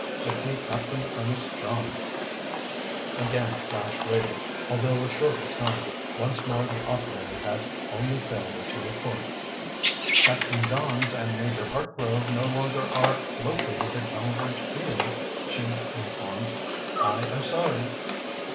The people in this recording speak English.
"Get me Captain Ernest Johns." Again Flash waited, although a shorter time. Once more the operator had only failure to report. "Captain Johns and Major Hartgrove no longer are located at Melveredge Field," she informed. "I am sorry."